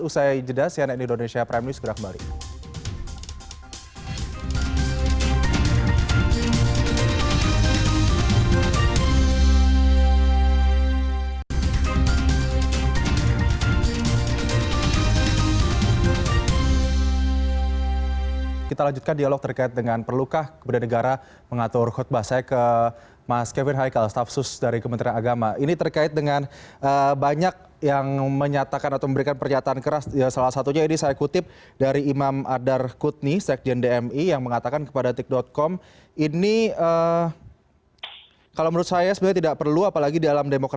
usai jedah cnn indonesia prime news gerak balik